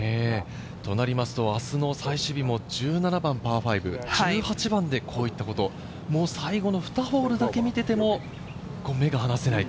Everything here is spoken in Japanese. となりますと明日の最終日も１７番パー５、１８番でこういったこと、最後の２ホールだけ見ていても目が離せない。